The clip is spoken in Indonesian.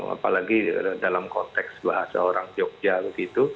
apalagi dalam konteks bahasa orang jogja begitu